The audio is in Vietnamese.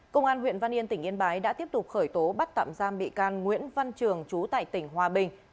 công an huyện văn yên tỉnh yên bái đã tiếp tục khởi tố bắt tạm giam bị can nguyễn văn trường chú tại tỉnh hòa bình